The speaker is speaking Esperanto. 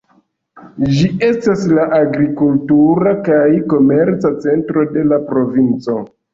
Ĝi estas la agrikultura kaj komerca centro de la provinco.